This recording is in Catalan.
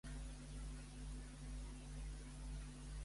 No estic segur de si, en el triangle, I és el tercer vèrtex.